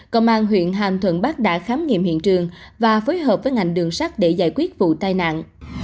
công an huyện hàm thuận bắc đã khám nghiệm hiện trường và phối hợp với ngành đường sắt để giải quyết vụ tai nạn